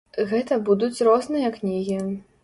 Гэта будуць розныя кнігі.